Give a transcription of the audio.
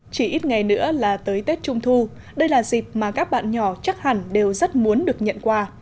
chỉ ít ngày nữa là tới tết trung thu đây là dịp mà các bạn nhỏ chắc hẳn đều rất muốn được nhận quà